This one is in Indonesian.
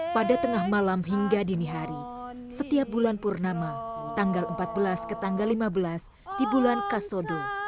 pada tengah malam hingga dini hari setiap bulan purnama tanggal empat belas ke tanggal lima belas di bulan kasodo